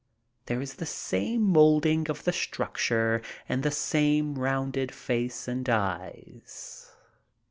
There is the same molding of the structure and the same rounded face and eyes.